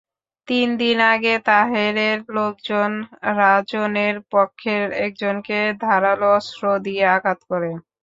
তিনদিন আগে তাহেরের লোকজন রাজনের পক্ষের একজনকে ধারালো অস্ত্র দিয়ে আঘাত করে।